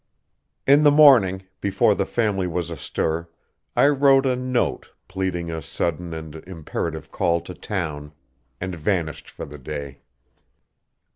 In the morning, before the family was astir, I wrote a note, pleading a sudden and imperative call to town, and vanished for the day.